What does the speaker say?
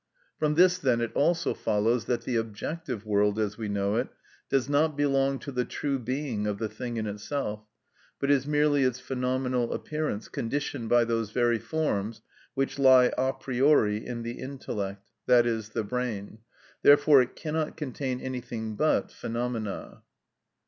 From this, then, it also follows that the objective world, as we know it, does not belong to the true being of the thing in itself, but is merely its phenomenal appearance conditioned by those very forms which lie a priori in the intellect (i.e., the brain), therefore it cannot contain anything but phenomena.